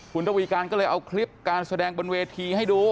คุณทวีการก็เลยเอาคลิปการแสดงบนเวทีให้ดู